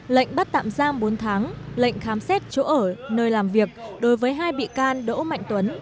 lệnh bắt tạm giam bốn tháng lệnh khám xét chỗ ở nơi làm việc đối với hai bị can đỗ mạnh tuấn